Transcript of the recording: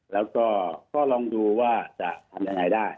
แล้วก็ลองดูว่าจะทำยังไงได้